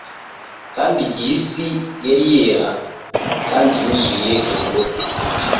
Kandi igihe isi yari yera kandi yuzuye urubura